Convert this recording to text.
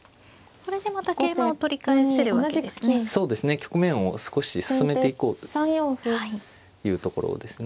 局面を少し進めていこうというところですね。